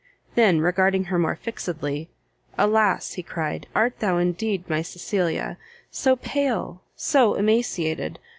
then regarding her more fixedly, "Alas," he cried, "art thou indeed my Cecilia! so pale, so emaciated!